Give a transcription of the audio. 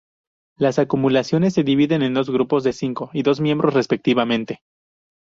Las acumulaciones se dividen en dos grupos de cinco y dos miembros respectivamente.